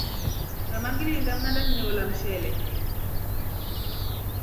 Ngama ngilinda mndana nginola mshele.